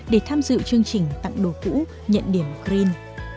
để tham dự chương trình tặng đồ cũ nhận điểm green